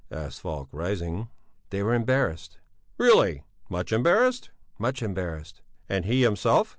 asked Falk, rising. "They were embarrassed." "Really? Much embarrassed?" "Much embarrassed." "And he himself?"